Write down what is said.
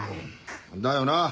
だよな。